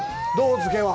漬けは。